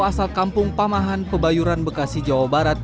asal kampung pamahan pebayuran bekasi jawa barat